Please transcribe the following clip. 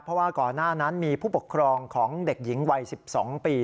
เพราะว่าก่อนหน้านั้นมีผู้ปกครองของเด็กหญิงวัย๑๒ปี